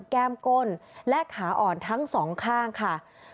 แก้มก้นและขาอ่อนทั้งสองข้างค่ะ